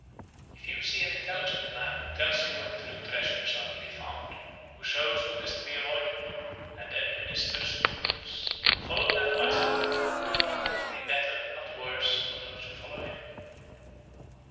If you see an intelligent man who tells you where true treasures are to be found, who shows what is to be avoided, and administers reproofs, follow that wise man; it will be better, not worse, for those who follow him.